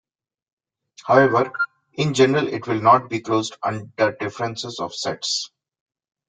However, in general it will not be closed under differences of sets.